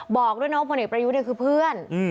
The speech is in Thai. บอกด้วยน้องพลเอกประยุทธ์เนี่ยคือเพื่อน